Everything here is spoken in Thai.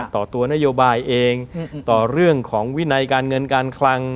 ต่อตัวนโยบายเองต่อเรื่องของวินัยการเงินการคลัง